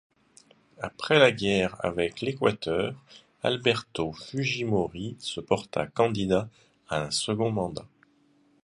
Après la guerre avec l'Équateur, Alberto Fujimori se porta candidat à un second mandat.